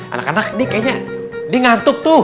anak anak ini kayaknya di ngantuk tuh